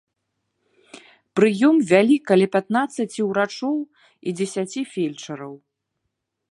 Прыём вялі каля пятнаццаці ўрачоў і дзесяці фельчараў.